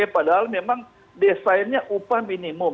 padahal memang desainnya upah minimum